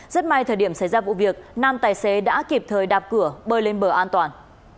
rất may thời điểm xảy ra vụ việc năm tài xế đã kịp thời đạp cửa bơi lên bờ an toàn